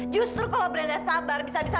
justru kalau berani sabar bisa bisa